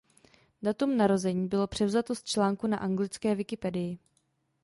Datum narození bylo převzato z článku na anglické Wikipedii.